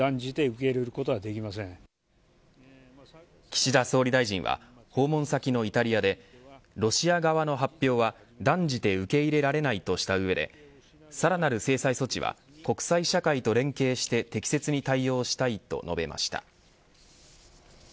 岸田総理大臣は訪問先のイタリアでロシア側の発表は断じて受け入れられないとした上でさらなる制裁措置は国際社会と連携して適切に対応したいと述べました。